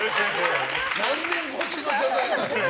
何年越しの謝罪なんですか。